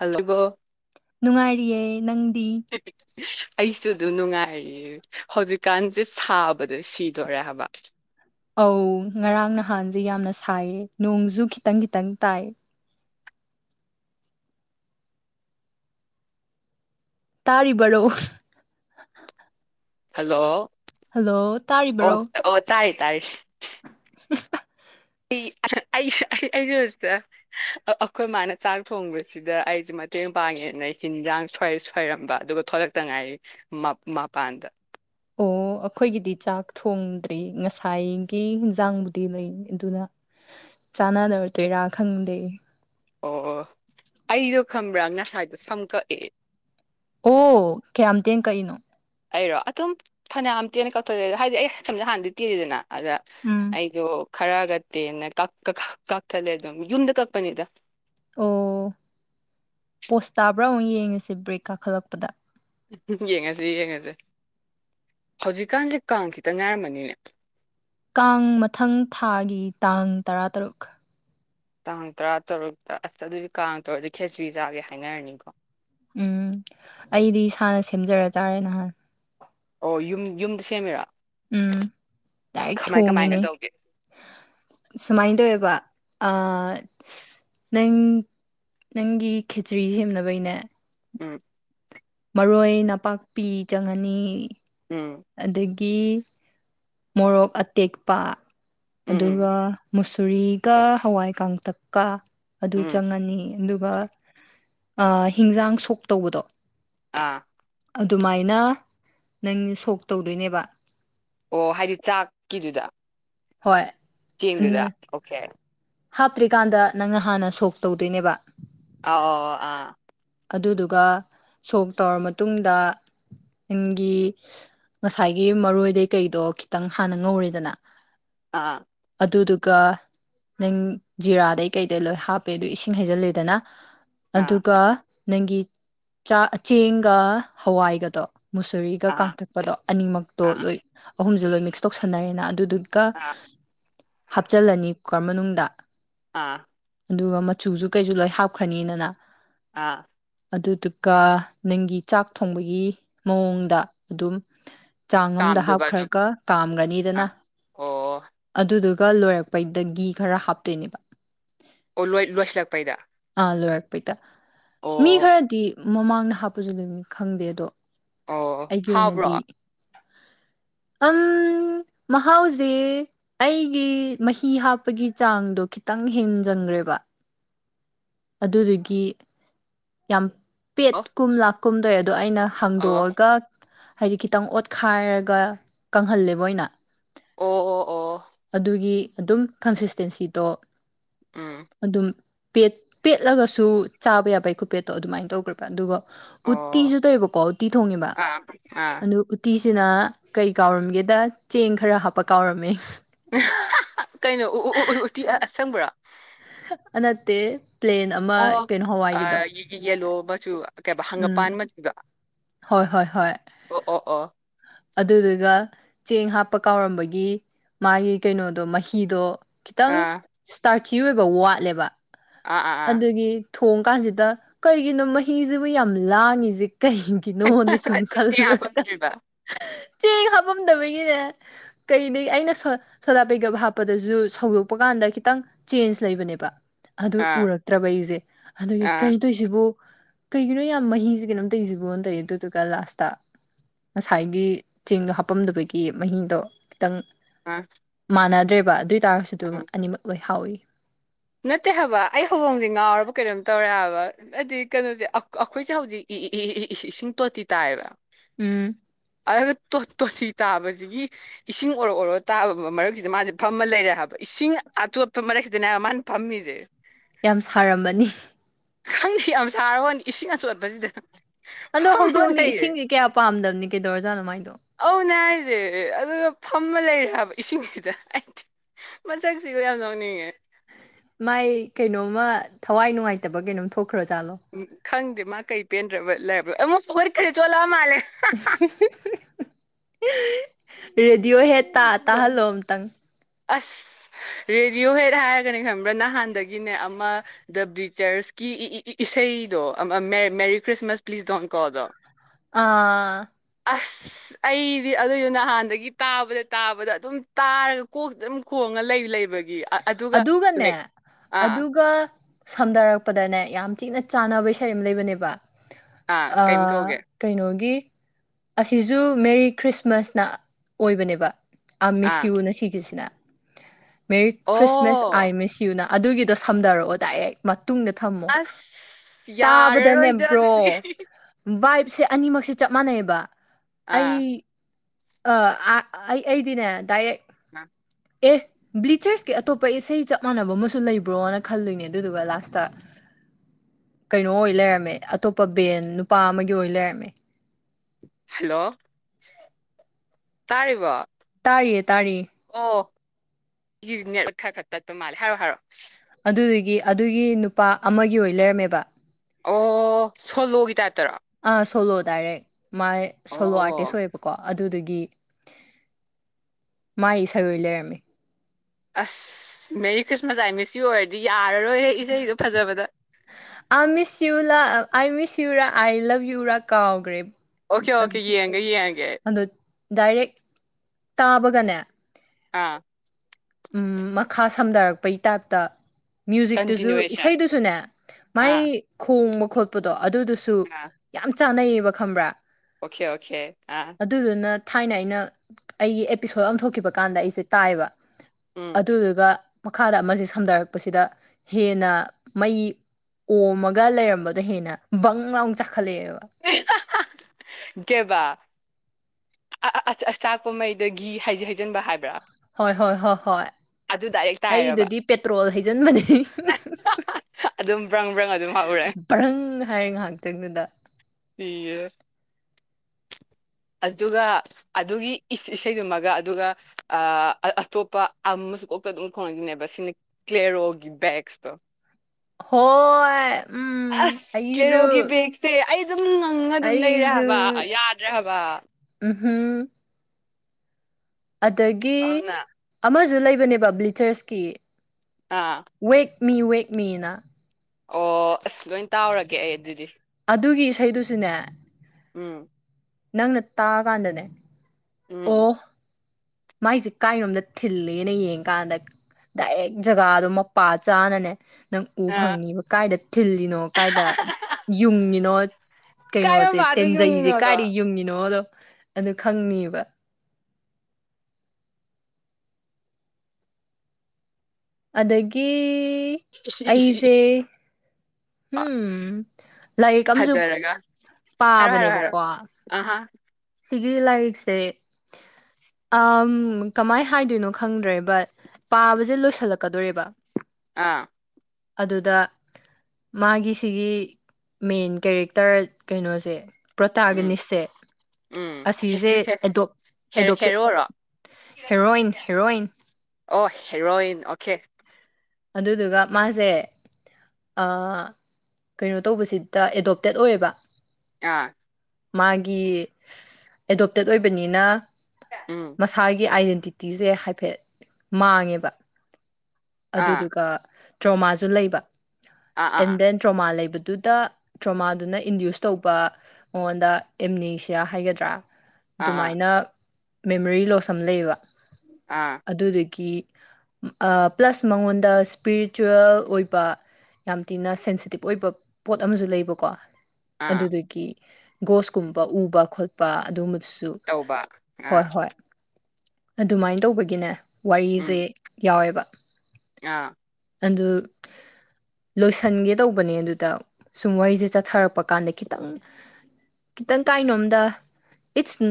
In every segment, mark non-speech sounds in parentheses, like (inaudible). ꯍꯜꯕꯣ ꯅꯨꯡꯉꯥꯔꯤꯑꯦ ꯅꯪꯗꯤ ꯑꯩꯁꯨ ꯑꯗꯨꯝ ꯅꯨꯡꯉꯥꯏꯔꯤꯌꯦ ꯍꯧꯖꯤꯛꯀꯥꯟꯁꯦ ꯁꯥꯕꯗꯣ ꯁꯤꯗꯣꯔꯦ ꯍꯥꯏꯕ ꯑꯧ ꯉꯔꯥꯡ ꯅꯍꯥꯟꯁ ꯌꯥꯝꯅ ꯁꯥꯏꯌꯦ ꯅꯣꯡꯁꯨꯨ ꯈꯤꯇꯪ ꯈꯤꯇꯪ ꯇꯥꯏ ꯇꯥꯔꯤꯕꯔꯣ ꯍꯜꯂꯣ ꯍꯜꯂꯣ ꯑꯣ ꯇꯥꯔꯤꯕꯔꯣ ꯑꯣ ꯇꯥꯥꯏ ꯇꯥꯥꯏ ꯑꯩꯒꯤꯖꯤꯗ ꯑꯩꯈꯣꯏ ꯃꯥꯅ ꯆꯥꯛ ꯊꯣꯡꯕꯁꯤꯗ ꯑꯩꯁꯦ ꯃꯇꯦꯡ ꯄꯥꯡꯉꯦꯅ ꯍꯤꯟꯖꯥꯡ ꯁꯣꯏꯔꯝꯕ ꯑꯗꯨꯒ ꯊꯂꯛꯇꯉꯥꯏ ꯃꯄꯥꯟꯗ ꯑꯣ ꯑꯩꯈꯣꯏꯒꯤꯗꯤ ꯆꯥꯛ ꯊꯣꯡꯗ꯭ꯔꯤ ꯉꯁꯥꯏꯒꯤ ꯏꯟꯖꯥꯡꯕꯨꯗꯤ ꯂꯩ ꯑꯗꯨꯅ ꯆꯥꯟꯅꯅꯔꯛꯇꯣꯏꯔꯥ ꯈꯪꯗꯦ ꯑꯣ ꯑꯩꯗꯣ ꯈꯕ꯭ꯔꯥ ꯉꯁꯥꯏꯗꯣ ꯁꯝ ꯀꯛꯑꯦ ꯑꯣ ꯀꯌꯥꯝꯇꯦꯟ ꯀꯛꯏꯅꯣ ꯑꯩꯔꯣ ꯑꯗꯨꯝ ꯐꯅꯌꯥꯝ ꯇꯦꯅ ꯀꯛꯊꯣꯛꯂꯦꯗ ꯍꯥꯏꯗꯤ ꯑꯩ ꯁꯝꯅ ꯍꯥꯟꯅꯗꯩ ꯇꯦꯜꯂꯤꯗꯅ ꯑꯗ ꯎꯝ ꯑꯩꯁꯨ ꯈꯔꯒ ꯇꯦꯟꯅ ꯀꯛꯊꯠꯂꯦ ꯑꯗꯨꯝ ꯌꯨꯝꯗ ꯀꯛꯄꯅꯤꯗ ꯑꯣ ꯄꯣꯁ ꯇꯥꯕ꯭ꯔꯥ ꯑꯃꯨꯛ ꯌꯦꯡꯉꯁꯤ ꯕ꯭ꯔꯦꯛ ꯀꯥꯈꯠꯂꯛꯄꯗ ꯎ ꯌꯦꯡꯉꯁꯤ ꯌꯦꯡꯉꯁꯤ ꯍꯧꯖꯤꯛꯀꯥꯟꯖꯦ ꯀꯥꯡ ꯈꯤꯇꯡ ꯉꯥꯏꯔꯝꯃꯅꯤꯅꯦ ꯀꯥꯡ ꯃꯊꯪ ꯊꯥꯒꯤ ꯇꯥꯡ ꯇꯔꯥꯇꯔꯨꯛ ꯇꯥꯡ ꯇꯔꯥ ꯇꯔꯨꯛꯇ ꯑꯁ ꯑꯗꯨꯗꯤ ꯀꯥꯡ ꯇꯧꯔꯗꯤ ꯈꯦꯆ꯭ꯔꯤ ꯆꯥꯒꯦ ꯍꯥꯏꯅꯔꯅꯤꯀꯣ ꯎꯝ ꯑꯩꯗꯤ ꯏꯁꯥꯅ ꯁꯦꯝꯖꯔ ꯆꯥꯔꯦ ꯅꯍꯥꯟ ꯑꯣ ꯌꯨꯝ ꯌꯨꯝꯗ ꯁꯦꯝꯃꯤꯔꯥ ꯎꯝ ꯗꯥꯏꯔꯦꯛ ꯊꯣꯡꯉꯤꯅꯦ ꯇꯧꯒꯦ ꯁꯨꯃꯥꯏꯅ ꯇꯧꯋꯦꯕ ꯑꯥ ꯅꯪ ꯅꯪꯒꯤ ꯈꯦꯆ꯭ꯔꯤ ꯁꯦꯝꯅꯕꯩꯅꯦ ꯎꯝ ꯃꯔꯣꯏ ꯅꯄꯥꯛꯄꯤ ꯆꯪꯉꯅꯤ ꯎꯝ ꯒꯤ ꯃꯣꯔꯣꯛ ꯑꯇꯦꯛꯄ ꯎꯝ ꯎꯝ ꯑꯗꯨꯒꯨꯁ ꯁꯨꯔꯤꯒ ꯍꯋꯥꯏ ꯀꯇꯛꯀ ꯑꯗꯨ ꯎꯝ ꯆꯪꯉꯅꯤ ꯑꯗꯨꯒ ꯍꯤꯟꯖꯥꯡ ꯁꯣꯛ ꯇꯧꯕꯗꯣ ꯑꯥ ꯑꯗꯨꯃꯥꯏꯅ ꯅꯪꯒꯤ ꯁꯣꯛ ꯇꯧꯗꯣꯏꯅꯦꯕ ꯑꯣ ꯍꯥꯏꯗꯤ ꯆꯥꯛꯀꯤꯗꯨꯗ ꯍꯣꯏ ꯆꯤꯗꯨꯗ ꯅ ꯑꯣꯀꯦ ꯍꯥꯞꯇ꯭ꯔꯤꯀꯥꯟꯗ ꯅꯪꯅ ꯍꯥꯟꯅ ꯁꯣꯛ ꯇꯧꯗꯣꯏꯅꯦꯕ ꯑ ꯑ ꯑꯥ ꯑꯗꯨꯗꯨꯒ ꯁꯣꯛ ꯇꯧꯔ ꯃꯇꯨꯡꯗ ꯅꯪꯒꯤ ꯉꯁꯥꯏꯒꯤ ꯃꯔꯣꯏꯗꯩ ꯀꯩꯗꯣ ꯈꯤꯇꯪ ꯍꯥꯟꯅ ꯉꯧꯔꯦꯗꯅ ꯑꯥ ꯑꯗꯨꯗꯨꯒ ꯅꯪ ꯖꯤꯔꯥꯗꯩ ꯀꯩꯗꯩ ꯂꯣꯏ ꯍꯥꯞꯄꯦ ꯑꯗꯨꯣ ꯏꯁꯤꯡ ꯍꯩꯖꯤꯜꯂꯤꯗꯅ ꯑꯥ ꯑꯗꯨꯒ ꯅꯪꯒꯤ ꯆꯥꯛ ꯆꯦꯡꯒ ꯍꯋꯥꯏꯒꯗꯣ ꯃꯨꯁꯔꯤꯒ ꯑꯥ ꯀꯥꯡꯊꯛꯄꯗꯣ ꯑꯅꯤꯃꯛꯇꯣ ꯑꯥ ꯂꯣꯏ ꯑꯍꯨꯝꯁꯦ ꯂꯣꯏ ꯃꯤꯛꯁ ꯇꯧꯁꯟꯅꯔꯦꯅ ꯑꯗꯨ ꯑꯗꯨ ꯛꯀ ꯑꯥ ꯑꯥ ꯍꯥꯞꯆꯤꯜꯂꯅꯤ ꯈꯔ ꯃꯅꯨꯡꯗ ꯑꯥ ꯑꯗꯨꯒ ꯃꯆꯨꯁꯨ ꯀꯩꯁꯨ ꯂꯣꯏ ꯍꯥꯞꯈ꯭ꯔꯅꯤꯅꯅ ꯑꯥ ꯑꯗꯨꯗꯨꯒ ꯅꯪꯒꯤ ꯆꯥꯛ ꯊꯣꯡꯕꯒꯤ ꯃꯑꯣꯡꯗ ꯑꯗꯨꯝ ꯆꯥꯡ ꯑꯃꯗ ꯀꯥꯝꯗꯨꯕ ꯑꯗꯨꯝ ꯍꯥꯞꯈ꯭ꯔꯒ ꯑꯥ ꯀꯥꯝꯈ꯭ꯔꯅꯤꯗꯅ ꯑꯣ ꯑꯗꯨꯗꯨꯒ ꯀ ꯂꯣꯏꯔꯛꯄ ꯗ ꯒꯤꯘ ꯈꯔ ꯍꯥꯞꯇꯣꯏꯅꯦꯕ ꯑꯣ ꯂꯣꯏ ꯂꯣꯏꯁꯤꯜꯂꯛꯄꯩꯗ ꯜꯂꯣ ꯑꯦ ꯄꯩꯇ ꯃꯤ ꯑꯣ ꯈꯔꯗꯤ ꯃꯃꯥꯡꯅ ꯍꯥꯞꯄꯁꯨ ꯑꯗꯨꯣꯏꯝꯅꯤ ꯈꯪꯗꯦ ꯑꯗꯣ ꯑꯣ ꯑꯩꯒꯤ ꯍꯥꯎꯕ꯭ꯔꯣ ꯑꯣꯏꯅꯗꯤ ꯃꯍꯥꯎꯁꯦ ꯑꯩꯒꯤ ꯃꯍ ꯐꯤ ꯍꯥꯞꯄꯒꯤ ꯆꯥꯡꯗꯣ ꯈꯤꯇꯪ ꯍꯦꯟꯖꯟꯈ꯭ꯔꯦꯕ ꯑꯗꯨꯗꯨꯒꯤ ꯌꯥꯝ ꯄꯦꯠ ꯑꯣ ꯀꯨꯝꯂꯛ ꯀꯨꯝꯗꯣꯏ ꯑꯗꯣ ꯑꯩꯅ ꯍꯥꯡꯗꯣꯛꯑꯒ ꯍꯥꯏꯗꯤ ꯈꯤꯇꯪ ꯑꯣꯠꯈꯥꯏꯔꯒ ꯀꯪꯍꯜꯂꯦꯕ ꯑꯣꯏꯅ ꯑꯣ ꯑꯣ ꯑꯣ ꯑꯗꯨꯒꯤ ꯑꯗꯨꯝ ꯀꯟꯁꯤꯁꯇꯦꯟꯁꯤꯗꯣ ꯎꯝ ꯑꯗꯨꯝ ꯄꯦꯠ ꯄꯦꯠꯂꯒꯁꯨ ꯆꯥꯕ ꯌꯥꯕꯩ ꯈꯨꯨꯄꯦꯠꯇꯣ ꯑꯗꯨꯃꯥꯏꯅ ꯇꯧꯈ꯭ꯔꯦꯕ ꯑꯗꯨꯒ ꯎꯇꯤꯁꯨ ꯑꯣ ꯇꯧꯋꯕꯀꯣ ꯎꯇꯤ ꯊꯣꯡꯉꯦꯕ ꯑꯥ ꯑꯥ ꯑꯗꯨ ꯎꯇꯤ ꯁꯤꯅ ꯀꯩ ꯀꯥꯎꯔꯝꯒꯦꯗ ꯆꯦꯡ ꯈꯔ ꯍꯥꯞꯄ ꯀꯥꯎꯔꯝꯃꯤ ꯀꯩꯅꯣ ꯎ ꯎ ꯎ ꯎꯇꯤ ꯑꯁꯪꯕ꯭ꯔꯥ ꯅꯅꯠꯇꯦ ꯑꯣꯒꯤ ꯌꯦꯜꯂꯣ ꯃꯆꯨ ꯀꯩꯕ ꯎꯝ ꯍꯪꯒꯄꯥꯟꯃꯤꯕ ꯍꯣꯏ ꯍꯣꯏ ꯍꯣꯏ ꯑꯗꯨꯗꯨꯒ ꯇꯦꯡ ꯍꯥꯞꯄ ꯀꯥꯎꯔꯝꯕꯒꯤ ꯃꯥꯒꯤ ꯀꯩꯅꯣꯗꯣ ꯃꯍꯤꯗꯣ ꯀꯈꯤꯇꯪ ꯑꯥ ꯁꯇꯥꯥ ꯊꯤ ꯑꯣꯏꯕ ꯋꯥꯠꯂꯦꯕ ꯑꯥ ꯑꯥ ꯑꯥ ꯑꯗꯨꯗꯒꯤ ꯊꯣꯡ ꯀꯥꯟꯁꯤꯗ ꯀꯩꯒꯤꯅꯣ ꯃꯍꯤꯤꯁꯕꯨ ꯌꯥꯝ ꯂꯥꯡꯉꯤꯁꯦ ꯀꯩꯣ ꯀꯅꯣꯅꯤ ꯁꯨꯡꯁꯜ ꯑꯗꯨꯗꯤ ꯍꯥꯞꯄꯝꯗ꯭ꯔꯤꯕ ꯆꯦꯡ ꯍꯥꯞꯄꯝꯗꯕꯒꯤꯅꯦ ꯀꯩꯗꯒꯤ ꯑꯩꯅꯣ ꯁꯣꯗꯥ ꯄꯦꯀꯞ ꯍꯥꯞꯄꯗꯁꯨ ꯁꯧꯗꯣꯛꯄ ꯀꯥꯟꯗ ꯈꯤꯇꯪ ꯆꯦꯟꯖ ꯂꯩꯕꯅꯦꯕ ꯑꯗꯨ ꯑꯥ ꯎꯔꯛꯇ꯭ꯔꯕ ꯑꯩꯁꯦ ꯑꯗꯨꯒꯤ ꯑꯥ ꯀꯩꯗꯣꯏꯁꯤꯕꯨ ꯀꯩꯒꯤꯅꯣ ꯌꯥꯝ ꯃꯍꯤꯁꯦ ꯀꯩꯅꯣꯝ ꯇꯧꯁꯤꯕꯣ ꯇꯩ ꯑꯗꯨꯗꯨꯒ ꯂꯥꯁꯇ ꯉꯁꯥꯏꯒꯤ ꯆꯦꯡꯗꯣ ꯍꯥꯄꯝꯗꯕꯒꯤ ꯃꯍꯤꯡꯗꯣ ꯈꯤꯇꯪ ꯑ ꯃꯥꯟꯅꯗ꯭ꯔꯦꯕ ꯑꯗꯨ ꯇꯥꯔꯁꯨ ꯑꯗꯨ ꯑꯅꯤꯃꯛ ꯑꯣꯏ ꯊꯥꯎ ꯅꯠꯇꯦ ꯍꯥꯏꯕ ꯑꯩ ꯍꯧꯗꯣꯡꯁꯦ ꯉꯥꯎꯔꯕ ꯀꯩꯅꯣꯝ ꯇꯧꯔꯦ ꯍꯥꯏꯕ ꯍꯥꯏꯗꯤ ꯀꯩꯅꯣꯁꯦ ꯑꯩꯈꯣꯏꯁꯦ ꯍꯧꯖꯤꯛ ꯏ ꯏ ꯏꯁꯤꯡ ꯇꯣꯇꯤ ꯇꯥꯏꯕ ꯎꯝ ꯑꯗꯨꯒ ꯇꯣꯁꯤ ꯇꯥꯕꯁꯤꯒꯤ ꯏꯁꯤꯡ ꯑꯣꯔꯣ ꯑꯣꯔꯣ ꯇꯥꯕ ꯃꯔꯛꯁꯤꯗ ꯃꯥꯁꯦ ꯐꯝꯃ ꯂꯩꯔꯦ ꯍꯥꯏꯕ ꯏꯁꯤꯡ ꯑꯇꯣꯠꯄ ꯃꯔꯛꯁꯤꯗꯅꯦ ꯃꯥꯅ ꯊꯝꯃꯤꯖꯦ ꯌꯥꯝ ꯁꯥꯔꯝꯕꯅꯤ ꯈꯪꯗꯦ ꯌꯥꯝ ꯁꯥꯔ ꯍꯣꯅꯤ ꯏꯁꯤꯡ ꯑꯆꯣꯠꯄꯁꯤꯗ ꯑꯜꯂꯣ ꯐꯝꯃ ꯍꯧꯗꯣꯡꯅꯤ ꯂꯩꯔꯦ ꯏꯁꯤꯡꯗꯤ ꯀꯌꯥ ꯄꯥꯝꯗꯕꯅꯤ ꯀꯩꯗꯧꯔꯖꯥꯅꯃꯥꯏꯗꯣ ꯦ ꯑꯗꯨꯒ ꯐꯝꯃ ꯂꯩꯔꯦ ꯍꯥꯏꯕ ꯏꯁꯤꯡꯁꯤꯗ ꯑꯩꯗꯤ ꯃꯁꯛꯁꯤꯒ ꯌꯥꯝ ꯌꯥꯎꯅꯤꯡꯉꯦ ꯃꯥꯏ ꯀꯩꯅꯣꯝꯃ ꯊꯋꯥꯏ ꯅꯨꯡꯉꯥꯏꯇꯕ ꯀꯩꯅꯣꯝ ꯊꯣꯛ ꯎꯝ ꯈꯪꯗꯦ ꯃꯥ ꯀꯩ ꯄꯦꯟꯗ꯭ꯔꯕ ꯂꯩꯕ ꯑꯃꯃ ꯁꯔꯤ ꯈꯦ ꯆꯂꯝ ꯃꯥꯂꯦ (unintelligible) ꯔꯦꯗꯤꯑꯣꯣ ꯍꯦꯠ ꯇꯥ ꯇꯥꯍꯜꯣꯝꯇꯪ ꯑꯁ ꯔꯦꯗꯤꯌꯣ ꯍꯦꯠ ꯍꯥꯏꯔꯒꯅꯦ ꯈꯪꯕ꯭ꯔꯥ ꯅꯍꯥꯟꯗꯒꯤꯅꯦ ꯑꯃ ꯗꯕꯂꯤꯆꯔꯁꯀꯤ ꯏꯁꯩꯗꯣ ꯑꯃ ꯃꯦ ꯃꯦꯔꯤ ꯈ꯭ꯔꯤꯁꯃꯥꯁ ꯄ꯭ꯂꯤꯁ ꯗꯣꯟ ꯀꯣꯗꯣ ꯑꯥ ꯑꯁ ꯑꯩꯗꯤ ꯑꯗꯨꯏꯗꯨ ꯅꯍꯥꯟꯗꯒꯤ ꯇꯥꯕꯗ ꯇꯥꯕꯗ ꯑꯗꯨꯝ ꯇꯥꯔꯒ ꯀꯣꯛꯇ ꯑꯗꯨꯝ ꯈꯣꯡꯉ ꯂꯩ ꯂꯩꯕꯒꯤ ꯑ- ꯑꯗꯨꯒ ꯑꯗꯨꯒꯅꯦ ꯂꯥꯏꯛ ꯑꯥ ꯑꯗꯨꯒ ꯁꯝꯅꯔꯛꯄꯗꯅꯦ ꯌꯥꯝ ꯊꯤꯅ ꯆꯥꯅꯕ ꯏꯁꯩ ꯑꯃ ꯂꯩꯕꯅꯦꯕ ꯑꯥ ꯑ ꯀꯩꯝ ꯀꯧꯒꯦ ꯀꯩꯅꯣꯒꯤ ꯑꯁꯤꯁꯨ ꯃꯦꯔꯤ ꯈ꯭ꯔꯤꯁꯃꯥꯁꯅ ꯑꯣꯏꯕꯅꯦꯕ ꯑ ꯑꯥ ꯃꯁꯤꯌꯨꯅ ꯁꯤꯈꯤꯁꯤꯅ ꯃ ꯈ꯭ꯔꯤꯁꯃꯁ ꯑꯥꯏ ꯑꯣ ꯃꯤꯁ ꯌꯨꯅ ꯑꯗꯨꯒꯤꯗꯣ ꯁꯝꯊꯔꯛꯑꯣ ꯗꯥꯏꯔꯦꯛ ꯇꯨꯡꯗ ꯊꯝꯃꯣ ꯑꯁ ꯇꯥꯕꯗ ꯌꯥꯔꯔꯣꯏꯗ ꯑꯗꯨꯗꯤ ꯅꯦꯝꯕ꯭ꯔꯣ ꯏ ꯁꯦ ꯑꯅꯤꯃꯛꯁꯦ ꯆꯞ ꯃꯥꯟꯅꯩꯑꯕ ꯑꯥ ꯑꯩ ꯑ ꯑꯩ ꯑꯩꯗꯤꯅꯦ ꯗꯥꯏꯔꯦꯛ ꯑ ꯑꯦ ꯕ꯭ꯂꯤꯆꯔꯁꯀꯤ ꯑꯇꯣꯞꯄ ꯏꯁꯩ ꯆꯞ ꯃꯥꯟꯅꯕ ꯑꯃꯁꯨ ꯂꯩꯕ꯭ꯔꯣꯅ ꯈꯜꯂꯣꯏꯅꯦ ꯑꯗꯨꯗꯨꯒ ꯂꯥꯁꯇ ꯀꯩꯅꯣ ꯑꯣꯏ ꯂꯩꯔꯝꯃꯦ ꯑꯇꯣꯞꯄ ꯕꯦꯟ ꯅꯨꯄꯥ ꯑꯃꯒꯤ ꯑꯣꯏꯅ ꯂꯩꯔꯝꯃꯦ ꯍꯜꯂꯣ ꯇꯥꯔꯤꯕꯣ ꯇꯥꯔꯤꯌꯦꯦ ꯇꯥꯔꯤꯌꯦ ꯁꯤ ꯅꯠꯂ ꯈꯔ ꯈꯔ ꯇꯠꯄ ꯃꯥꯜꯂꯦ ꯍꯥꯏꯔꯣ ꯍꯥꯏꯔꯑꯣ ꯑꯗꯨꯗꯨꯒꯤ ꯑꯗꯨꯒꯤ ꯅꯨꯄꯥ ꯑꯃꯒꯤ ꯑꯣꯏꯅ ꯂꯩꯔꯝꯃꯦꯕ ꯑꯣ ꯁꯂꯣ ꯀꯇ ꯠꯇꯔꯥ ꯊꯂꯣ ꯇꯔꯦ ꯃꯥꯥꯏ ꯁꯣꯂꯣ ꯑꯥꯔꯇꯤꯁ ꯑꯣꯏꯌꯦꯕꯀꯣ ꯑꯗꯨꯗꯨꯒꯤ ꯒꯤ ꯃꯥꯒꯤ ꯁꯔꯣꯏ ꯂꯩꯔꯝꯃꯤ ꯑꯁ ꯃ ꯈ꯭ꯁꯃꯁ ꯑꯃꯤꯁꯤ ꯑꯣꯏꯗꯤ ꯌꯥꯔꯔꯣꯏꯍꯦ ꯏꯁꯩꯗꯣ ꯐꯖꯕꯗ ꯑꯥꯏ ꯃꯤꯁ ꯌꯨꯔꯥ ꯑꯥꯏ ꯃꯤꯁ ꯌꯨꯨꯔꯥ ꯑꯥꯏ ꯂꯕ ꯌꯨꯨꯔꯥ ꯀꯥꯎꯒ꯭ꯔꯦ ꯑꯣꯀꯦ ꯑꯣꯀꯦ ꯌꯦꯑꯒꯦ ꯌꯦ ꯌꯥꯑꯒꯦ ꯑꯗ ꯗꯥꯏꯔꯦꯛ ꯇꯥꯕꯒꯅꯦ ꯑꯥ ꯎꯝ ꯃꯈꯥ ꯁꯝꯊꯔꯛꯄꯩ ꯇꯥꯏꯞꯇ ꯃ꯭ꯌꯨꯖꯤꯛꯇꯨꯁꯨ ꯀꯟꯇꯤꯅꯨꯋꯦꯁꯟ ꯏꯁꯩꯗꯨꯁꯨꯅꯦ ꯃꯥꯏ ꯑꯥ ꯈꯣꯡꯕ ꯈꯣꯠꯄꯗꯣ ꯑꯗꯨꯗꯨꯁꯨ ꯑꯥ ꯌꯥꯝ ꯆꯥꯅꯩꯌꯦꯕ ꯈꯪꯕ꯭ꯔꯥ ꯑꯣꯀꯦ ꯑꯣꯀꯦ ꯑ ꯑꯗꯨꯗꯨꯅ ꯊꯥꯏꯅ ꯑꯩꯅ ꯑꯩꯒꯤ ꯑꯦꯄꯤꯁꯣꯠ ꯑꯃ ꯊꯣꯛꯈꯤꯕ ꯀꯥꯟꯗ ꯑꯩꯁꯦ ꯇꯥꯏꯕ ꯎꯝ ꯑꯗꯨꯗꯨꯒ ꯃꯈꯥꯗ ꯑꯃꯁ ꯁꯝꯗꯔꯛꯄꯁꯤꯗ ꯍꯦꯟꯅ ꯃꯩ ꯑꯣꯝꯃꯒ ꯂꯩꯔꯝꯕꯗꯣ ꯍꯦꯟꯅ ꯕꯪ ꯂꯥꯡꯎ ꯆꯥ ꯎꯍꯥꯍꯥ ꯀꯩꯕꯥ ꯑ ꯆꯥꯛꯄꯉꯩꯗꯒꯤ ꯘꯤ ꯍꯩꯖꯤꯟꯕ ꯍꯥꯏꯕ꯭ꯔꯥ ꯍꯣꯏ ꯍꯣꯏ ꯍꯣꯏ ꯍꯣꯏ ꯑꯗꯨ ꯗꯥꯏꯔꯦꯛ ꯇꯥꯏꯔꯕ ꯑꯩꯗꯨꯗꯤ ꯄꯦꯇ꯭ꯔꯣꯜ ꯍꯩꯖꯤꯟꯕꯅꯤ ꯑꯗꯨꯝ ꯕ꯭ꯔꯪ ꯕ꯭ꯔꯪ ꯑꯗꯨꯝ ꯍꯧꯔꯦ ꯕ꯭ꯔꯪ ꯍꯥꯏꯔꯦ ꯉꯥꯏꯍꯥꯛꯇꯪꯗꯨꯗ ꯌꯦ ꯑꯗꯨꯒ ꯑꯗꯨꯒꯤ ꯏꯁꯩꯗꯨꯃꯒ ꯑꯗꯨꯒ ꯑꯇꯣꯞꯄ ꯑꯃꯁꯨ ꯀꯣꯛꯇ ꯑꯗꯨꯝ ꯈꯣꯡꯅꯈꯤꯅꯦꯕ ꯁꯤꯅ ꯀ꯭ꯂꯦꯔꯣꯒꯤ ꯕꯦꯛꯁꯇꯣ ꯍꯣꯢ ꯎꯝ ꯑꯁ ꯀ꯭ꯂꯦꯔꯣꯒꯤ ꯑꯩꯁꯨꯨ ꯕꯦꯒꯁꯦ ꯑꯩ ꯑꯗꯨꯝ ꯉꯪꯉ ꯑꯗꯨꯝ ꯂꯩꯔꯦ ꯍꯥꯏꯕ ꯌꯥꯗ꯭ꯔꯦ ꯍꯥꯏꯕ ꯍꯝ ꯑꯗꯒꯤ ꯑꯗꯨꯅ ꯑꯃ ꯁꯨ ꯂꯩꯕꯅꯦꯕ ꯕ꯭ꯂꯤꯆꯔꯁꯀꯤ ꯑꯥ ꯃꯤꯋꯦꯛ ꯃꯤꯅ ꯑꯣ ꯑꯁ ꯂꯣꯏ ꯇꯥꯎꯔꯒꯦ ꯑꯩ ꯑꯗꯨꯗꯤ ꯑꯗꯨꯒꯤ ꯏꯁꯩꯗꯨꯁꯨꯅꯦ ꯎꯝ ꯅꯪꯅ ꯇꯥꯛꯑꯀꯥꯟꯗꯅꯦ ꯎꯝ ꯃꯥꯏꯁꯦ ꯀꯥꯏꯔꯣꯝꯗ ꯊꯤꯜꯂꯦꯅ ꯌꯦꯡꯀꯥꯟꯗ ꯗꯥꯏꯔꯦꯛ ꯖꯒꯥꯗꯣ ꯃꯄꯥ ꯆꯥꯅꯅꯦ ꯅꯪ ꯎ ꯑꯥ ꯐꯪꯉꯕ ꯀꯥꯏꯗ ꯊꯤꯜꯂꯤꯅꯣ ꯀꯥꯏꯗ ꯌꯨꯡꯉꯤꯅꯣ (unintelligible) ꯀꯥꯏ ꯀꯩꯅꯣꯁꯦ ꯃꯄꯥꯗ ꯇꯦꯟꯖꯩꯁꯦ ꯌꯨꯡꯉꯤꯅꯣꯗꯣ ꯀꯥꯏꯔꯤ ꯌꯨꯡꯉꯤꯅꯣ ꯑꯗꯣ ꯑꯗꯨ ꯈꯪꯅꯤꯕ ꯑꯗꯒꯤ ꯑꯩꯖꯦ ꯑ (unintelligible) ꯂꯥꯏꯔꯤꯛ ꯑꯃꯁꯝꯨ ꯍꯥꯏꯔꯣ ꯍꯥꯏꯔꯣ ꯍꯥꯏꯔꯣ ꯄꯥꯕꯅꯦꯕꯀꯣ ꯑꯍꯥ ꯁꯤꯒꯤ ꯂꯥꯏꯔꯤꯛꯁꯦ ꯀꯃꯥꯏ ꯍꯥꯏꯗꯣꯏꯅꯣ ꯈꯪꯗ꯭ꯔꯦꯕ ꯄꯥꯕꯁꯦ ꯂꯣꯏꯁꯤꯜꯂꯛꯀꯗꯣꯣꯔꯕ ꯑꯥ ꯑꯗꯨꯗ ꯃꯥꯒꯤꯁꯤꯒꯤ ꯃꯦꯟ ꯀꯦꯔꯦꯛꯇꯔ ꯀꯩꯅꯣꯁꯦ ꯎꯝ ꯄ꯭ꯔꯇꯥꯒꯅꯤꯁꯦ ꯎꯝ ꯁꯤ ꯑꯦꯗꯣꯞꯇꯦꯠ ꯈꯦꯔꯣꯔꯣ ꯍꯦꯔꯣꯏꯟ ꯍꯦꯔꯣꯏꯟ ꯑꯣ ꯍꯦꯔꯣꯏꯟ ꯑꯣ ꯄꯦ ꯑꯗꯨꯗꯨꯒ ꯃꯥꯁꯦ ꯀꯩꯅꯣ ꯇꯧꯕꯁꯤꯗ ꯑꯦꯗꯣꯞꯇꯦꯠ ꯑꯣꯏꯌꯦꯕ ꯑꯥ ꯃꯥꯒꯤ ꯑꯦꯗꯣꯞꯇꯦꯠ ꯑꯣꯏꯕꯅꯤꯅ ꯎꯝ ꯃꯁꯥꯒꯤ ꯑꯥꯏꯗꯦꯟ ꯤꯇꯤꯁꯦ ꯍꯥꯏꯐꯦꯠ ꯃꯥꯡꯉꯦꯕ ꯑꯥ ꯑꯗꯨꯗꯨꯒ ꯇ꯭ꯔꯣꯃꯥꯁꯨ ꯂꯩꯕ ꯑꯥ ꯑꯦꯟ ꯑꯥ ꯗꯦꯟ ꯇ꯭ꯔꯣꯃꯥ ꯂꯩꯕꯗ ꯑꯗꯨꯗ ꯇ꯭ꯔꯣꯃꯥꯗꯨꯅ ꯏꯟꯗ꯭ꯌꯨꯁ ꯇꯧꯕ ꯃꯉꯣꯟꯗ ꯑꯦꯝꯅꯦꯁꯤꯌꯥ ꯍꯥꯏꯒꯗ꯭ꯔꯥ ꯑꯥ ꯑꯗꯨꯃꯥꯏꯅ ꯃꯦꯃꯣꯔꯤ ꯂꯣꯁ ꯑꯃ ꯂꯩꯌꯦꯕ ꯑꯥ ꯑꯗꯨꯗꯒꯤ ꯑ ꯄ꯭ꯂꯁ ꯑ ꯃꯉꯣꯟꯗ ꯁ꯭ꯄꯤꯔꯤꯆꯨꯋꯦꯜ ꯑꯣꯏꯕ ꯌꯥꯝ ꯊꯤꯅ ꯁꯦꯟꯁꯤꯇꯤꯞ ꯑꯣꯏꯕ ꯄꯣꯠ ꯑꯃꯁꯨ ꯂꯩꯕꯀꯣ ꯑꯥ ꯑꯗꯨꯗꯒꯤ ꯒꯣꯁꯀꯨꯝꯕ ꯎꯕ ꯈꯣꯠꯄ ꯑꯗꯨꯝꯕ ꯇꯧꯕ ꯍꯣꯏ ꯑꯥ ꯍꯣꯏ ꯑꯗꯨꯃꯥꯏꯅ ꯇꯧꯕꯒꯤꯅꯦ ꯋꯥꯔꯤꯁꯦ ꯎꯝ ꯌꯥꯎꯋꯦꯕ ꯑꯥ ꯑꯗꯨ ꯂꯣꯏꯁꯟꯒꯦ ꯇꯧꯕꯅꯦ ꯑꯗꯨꯗ ꯁꯨꯝ ꯋꯥꯔꯤꯁꯦ ꯆꯠꯊꯔꯛꯄ ꯀꯥꯟꯗ ꯈꯤꯇꯪ ꯈꯤꯇꯪ ꯀꯥꯏꯅꯣꯝꯗ ꯏꯠꯁ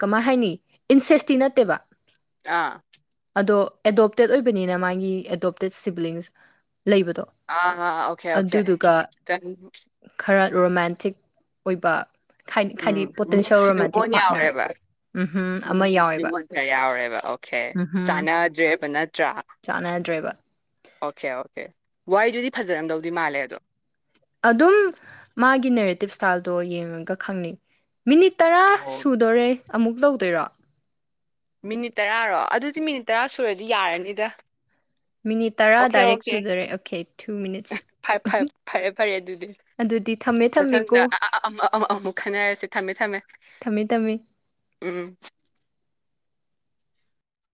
ꯀꯃꯥꯏ ꯍꯥꯏꯅꯤ ꯏꯟꯁꯦꯁꯇꯤ ꯅꯠꯇꯦꯕ ꯑꯥ ꯑꯗꯣ ꯑꯦꯗꯣꯞꯇꯦꯠ ꯑꯣꯏꯕꯅꯤꯅ ꯃꯥꯒꯤ ꯑꯦꯗꯣꯞꯇꯦꯠ ꯁꯤꯕꯂꯤꯡꯁ ꯑ ꯑꯣꯀꯦ ꯑꯣꯀꯦ ꯔꯣꯃꯦꯟꯇꯤꯛ ꯑꯣꯏꯕ ꯍꯥꯏꯗꯤ ꯎꯝ ꯅꯨꯡ ꯄꯣꯇꯦꯟꯁꯤꯌꯦꯜ ꯁꯤ ꯔꯣꯃꯥꯟꯇꯤꯛ ꯅꯨꯡꯀꯣꯟ ꯄꯥꯔꯠꯅꯔ ꯌꯥꯎꯔꯦꯕ ꯎꯝꯍꯨꯝ ꯑꯃ ꯅꯨꯡꯒꯤ ꯁꯤ ꯌꯥꯎꯋꯦꯕ ꯉꯣꯟ ꯈꯔ ꯌꯥꯎꯔꯦꯕ ꯑꯣꯀꯦ ꯎꯝꯍꯨꯝ ꯆꯥꯟꯅꯗ꯭ꯔꯦꯕ ꯅꯠꯇ꯭ꯔꯥ ꯆꯥꯟꯅꯗ꯭ꯔꯦꯕ ꯑꯣꯀꯦ ꯑꯣꯀꯦ ꯋꯥꯗꯨꯗꯤ ꯐꯖꯔꯝꯗꯧꯗꯤ ꯃꯥꯜꯂꯦ ꯑꯗꯣ ꯑꯗꯨꯝ ꯃꯥꯒꯤ ꯅꯦꯔꯦꯇꯤꯞ ꯏꯁꯇꯥꯏꯜꯗꯣ ꯌꯦꯡꯉꯒ ꯈꯪꯅꯩ ꯃꯤꯅꯤꯠ ꯇꯔꯥ ꯑꯣ ꯁꯨꯗꯣꯔꯦ ꯑꯃꯨꯛ ꯇꯧꯗꯣꯏꯔꯣ ꯃꯤꯅꯤꯠ ꯇꯔꯥꯔꯣ ꯑꯗꯨꯗꯤ ꯃꯤꯅꯤꯠ ꯇꯔꯥ ꯁꯨꯔꯗꯤ ꯌꯥꯔꯅꯤꯗ ꯃꯤꯅꯤꯠ ꯇꯔꯥ ꯑꯣꯀꯦ ꯗꯥꯏꯔꯦꯛ ꯑꯣꯀꯦ ꯁꯨꯗꯣꯔꯦ ꯑꯣꯀꯦ ꯇꯨ ꯃꯤꯅꯤꯠꯁ ꯐ ꯐꯦ ꯐꯔꯦ ꯐꯔꯦ ꯑꯗꯨꯗꯤ ꯑꯗꯨꯗꯤ ꯊꯝꯃꯦ ꯃꯊꯪꯗ ꯊꯝꯃꯦꯀꯣ ꯑꯃ ꯑꯃ ꯑꯃꯨꯛ ꯈꯟꯅꯔꯁꯤ ꯊꯝꯃꯦ ꯊꯝꯃꯦ ꯊꯝꯃꯦ ꯊꯝꯃꯦ ꯎꯝ